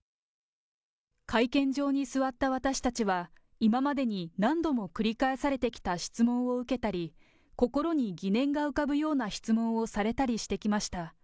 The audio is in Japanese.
会見場に座った私たちは、今までに何度も繰り返されてきた質問を受けたり、心に疑念が浮かぶような質問をされたりしてきました。